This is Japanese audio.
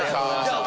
はい。